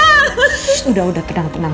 shh udah udah tenang tenang